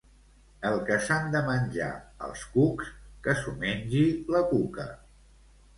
El que s'han de menjar els cucs, que s'ho mengi la cuca.